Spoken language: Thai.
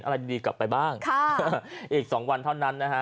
อะไรดีกลับไปบ้างค่ะอีกสองวันเท่านั้นนะฮะ